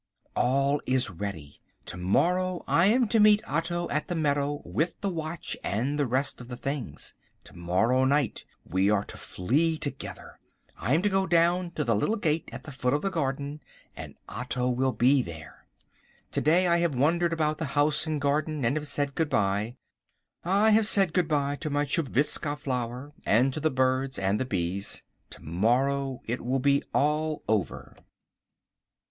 All is ready. To morrow I am to meet Otto at the meadow with the watch and the rest of the things. To morrow night we are to flee together. I am to go down to the little gate at the foot of the garden, and Otto will be there. To day I have wandered about the house and garden and have said good bye. I have said good bye to my Tchupvskja flower, and to the birds and the bees. To morrow it will be all over.